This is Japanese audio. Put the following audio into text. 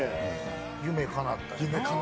夢かなったしな。